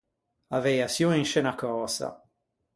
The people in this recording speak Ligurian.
Avei açion in sce unna cösa.